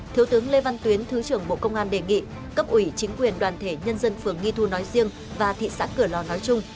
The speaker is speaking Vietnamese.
thiếu tướng lê văn tuyến thứ trưởng bộ công an đề nghị cấp ủy chính quyền đoàn thể nhân dân phường nghi thu nói riêng và thị xã cửa lò nói chung